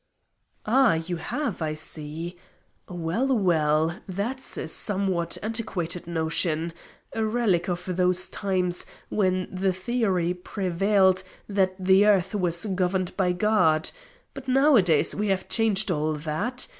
"Ah! You have, I see. Well, well; that's a somewhat antiquated notion a relic of those times when the theory prevailed that the earth was governed by God. But nowadays we have changed all that.